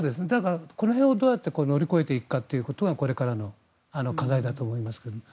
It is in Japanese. この辺をどう乗り越えていくかがこれからの課題だと思います。